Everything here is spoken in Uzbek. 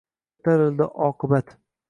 Ko’tarildi oqibat.